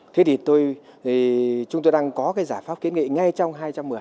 thế thì tôi chúng tôi đang có cái giải pháp kiến nghị ngay trong hai trăm một mươi